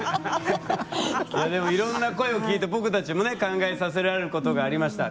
でも、いろんな声を聞いて僕たちも考えさせられることがありました。